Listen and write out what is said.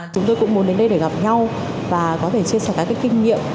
chúng tôi cũng muốn đến đây để gặp nhau và có thể chia sẻ các kinh nghiệm